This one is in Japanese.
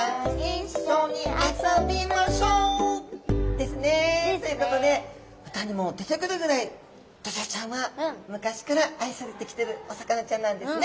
ですね。ということで歌にも出てくるぐらいドジョウちゃんは昔から愛されてきてるお魚ちゃんなんですね。